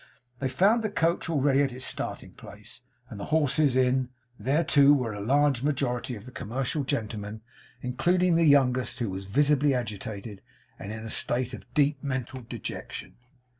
They found the coach already at its starting place, and the horses in; there, too, were a large majority of the commercial gentlemen, including the youngest, who was visibly agitated, and in a state of deep mental dejection.